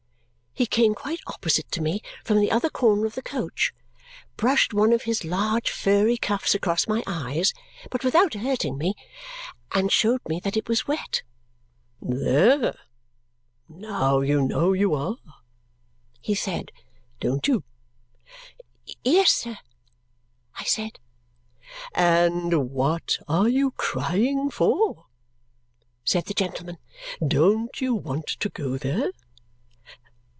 He came quite opposite to me from the other corner of the coach, brushed one of his large furry cuffs across my eyes (but without hurting me), and showed me that it was wet. "There! Now you know you are," he said. "Don't you?" "Yes, sir," I said. "And what are you crying for?" said the gentleman, "Don't you want to go there?"